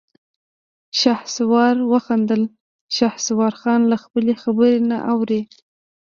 شهسوار وخندل: شهسوارخان له خپلې خبرې نه اوړي.